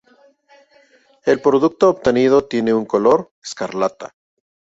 El producto obtenido tiene un color escarlata.